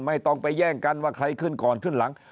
ไม่ต้องไปแย่งกันว่าใครขึ้นก่อนขึ้นหลัง